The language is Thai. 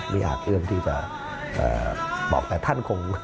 อาจเอื้อมที่จะบอกแต่ท่านคง